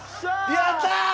やったー！